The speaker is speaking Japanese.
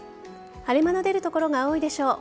晴れ間の出る所が多いでしょう。